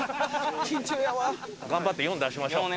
頑張って「４」出しましょう。